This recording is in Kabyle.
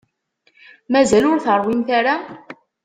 Mazal ur teṛwimt ara?